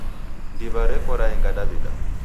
Ndiwa reko raenga Daw'ida.